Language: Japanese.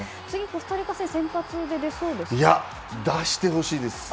コスタリカ戦先発で出そうですか？